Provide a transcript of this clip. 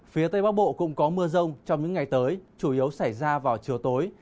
phía tây bắc bộ cũng có mưa rông trong những ngày tới chủ yếu xảy ra vào chiều tối